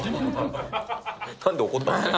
なんで怒ったんですか。